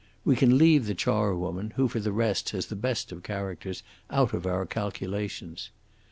We can leave the charwoman, who for the rest has the best of characters, out of our calculations.